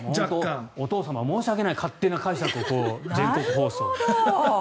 お父様、申し訳ない勝手な解釈を全国放送。